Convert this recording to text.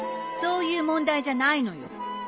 そういう問題じゃないのよ。